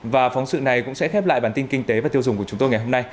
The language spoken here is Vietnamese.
và phóng sự này cũng sẽ khép lại bản tin kinh tế và tiêu dùng của chúng tôi ngày hôm nay